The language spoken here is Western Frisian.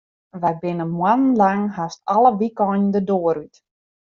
Wy binne moannen lang hast alle wykeinen de doar út.